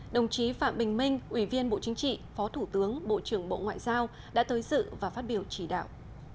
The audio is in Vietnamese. đồng chí phạm bình minh ủy viên bộ chính trị phó thủ tướng bộ trưởng bộ ngoại giao đã tới dự và phát biểu chỉ đạo